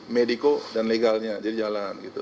medico dan legalnya jadi jalan gitu